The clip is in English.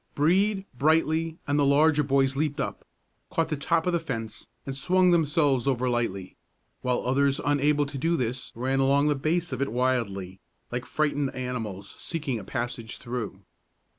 Brede, Brightly, and the larger boys leaped up, caught the top of the fence, and swung themselves over lightly, while others unable to do this ran along the base of it wildly, like frightened animals seeking a passage through.